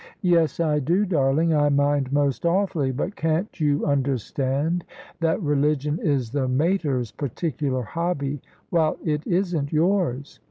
" "Yes, I do, darling; I mind most awfully. But can't you understand that religion is the mater's particular hobby, while it isn't yours?